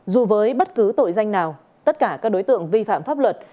dù với bất cứ tội danh nào tất cả các đối tượng vi phạm pháp luật